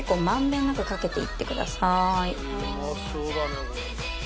結構「うまそうだねこれ」